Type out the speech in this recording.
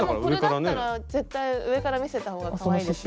でもこれだったら絶対上から見せた方がかわいいですよね。